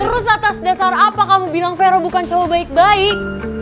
terus atas dasar apa kamu bilang vero bukan cowok baik